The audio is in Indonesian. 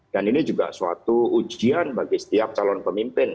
dan ini juga suatu ujian bagi setiap calon pemimpin